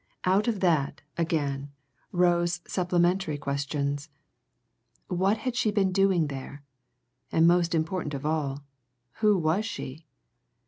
Out of that, again, rose certain supplementary questions: What had she been doing there? And most important of all who was she?